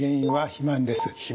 肥満？